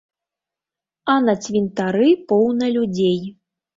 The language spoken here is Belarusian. А на цвінтары поўна людзей.